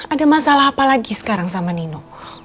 ada masalah apa lagi sekarang sama nino